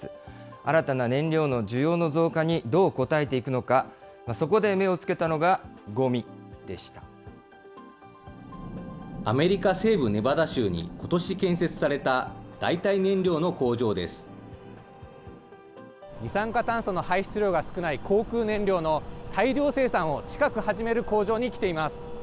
新たな燃料の需要の増加にどう応えていくのか、そこで目をつけたアメリカ西部ネバダ州にことし建設された、二酸化炭素の排出量が少ない航空燃料の大量生産を、近く始める工場に来ています。